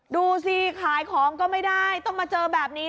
ดูสิขายของก็ไม่ได้ต้องมาเจอแบบนี้